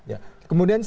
ya kemudian saat ini